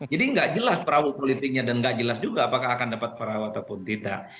jadi nggak jelas perawuh politiknya dan nggak jelas juga apakah akan dapat perawah ataupun tidak